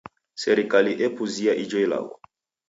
Serikali epuzia ijo ilagho.